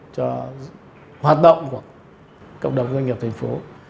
cho hoạt động của cộng đồng doanh nghiệp tp hcm